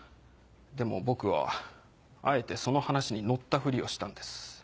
でも僕はあえてその話に乗ったフリをしたんです。